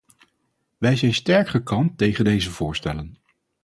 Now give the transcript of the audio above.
Wij zijn sterk gekant tegen deze voorstellen.